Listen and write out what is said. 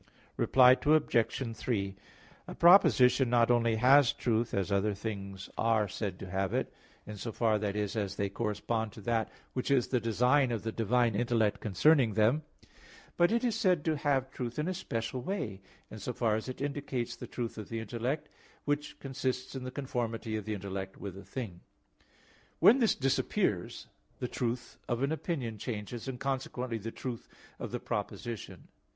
Reply Obj. 3: A proposition not only has truth, as other things are said to have it, in so far, that is, as they correspond to that which is the design of the divine intellect concerning them; but it is said to have truth in a special way, in so far as it indicates the truth of the intellect, which consists in the conformity of the intellect with a thing. When this disappears, the truth of an opinion changes, and consequently the truth of the proposition.